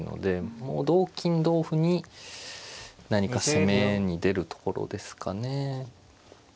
もう同金同歩に何か攻めに出るところですかね。